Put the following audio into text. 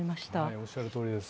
おっしゃるとおりです。